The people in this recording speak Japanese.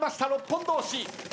６本同士。